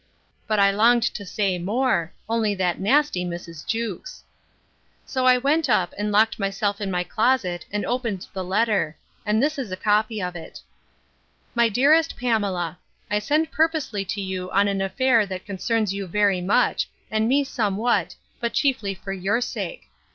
But I longed to say more; only that nasty Mrs. Jewkes. So I went up, and locked myself in my closet, and opened the letter; and this is a copy of it: 'My DEAREST PAMELA, 'I send purposely to you on an affair that concerns you very much, and me somewhat, but chiefly for your sake.